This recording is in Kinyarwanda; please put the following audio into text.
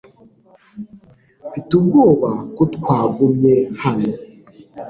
Mfite ubwoba ko twagumye hano .